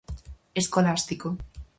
Escolástico.